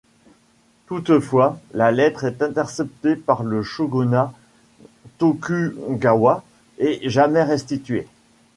Toutefois, la lettre est interceptée par le shogunat Tokugawa et jamais restituée.